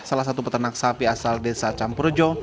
salah satu peternak sapi asal desa campurjo